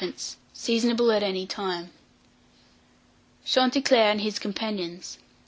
Seasonable at any time. CHANTICLEER AND HIS COMPANIONS.